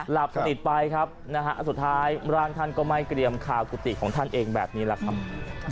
หลับสนิทไปครับนะฮะสุดท้ายร่างท่านก็ไหม้เกรียมคากุฏิของท่านเองแบบนี้แหละครับ